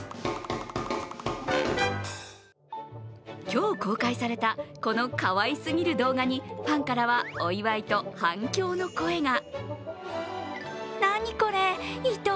今日、公開されたこのかわいすぎる動画に、ファンからはお祝いと反響の声が。